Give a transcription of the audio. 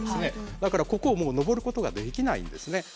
だからここをもう上ることができないんですね。